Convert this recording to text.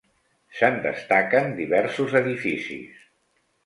Se'n destaquen diversos edificis.